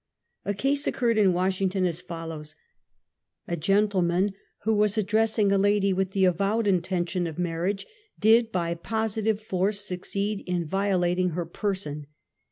A case occurred in Washino ton as follows : A ofen tleraan who was addressing a lady with the avowed intention of marriage, did, bj positive force, succeed in violating her person.